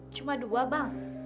cuma dua bang